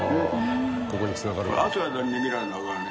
ここにつながるんだ。